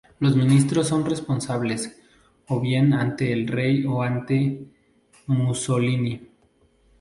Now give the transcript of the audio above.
Los ministros son responsables o bien ante el rey o ante Mussolini.